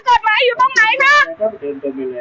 เจ้าตายแล้วเจ้าตายแล้ว